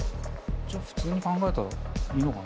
じゃあ普通に考えたらいいのかな。